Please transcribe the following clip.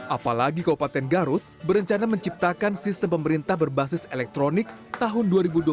apalagi kabupaten garut berencana menciptakan sistem pemerintah berbasis elektronik tahun dua ribu dua puluh tiga